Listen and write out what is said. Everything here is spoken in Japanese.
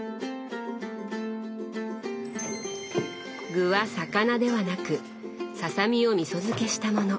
具は魚ではなくささみをみそ漬けしたもの。